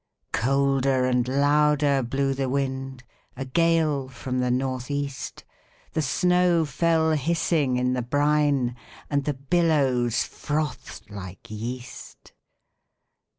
Colder and louder blew the wind, A gale from the North east; The snow fell hissing in the brine, And the billows frothed like yeast.